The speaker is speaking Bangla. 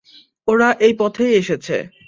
ওরা এই পথেই এসেছে।